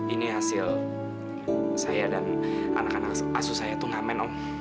ini hasil saya dan anak anak asu saya tuh ngamen om